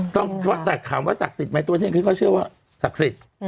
ต้องตัดคำว่าศักดิ์สิทธิ์ไหมตัวเนี้ยเขาก็เชื่อว่าศักดิ์สิทธิ์